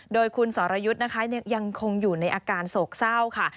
โดยคุณสรยุทธ์นะคะยังคงอยู่ในอาการโศกเศร้าค่ะ